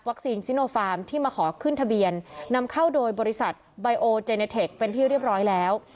วัคซีนทร์ทีมาขอขึ้นทะเบียนนำเข้าโดยบริษัทเป็นที่เรียบร้อยแล้ว